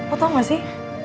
oh tau gak sih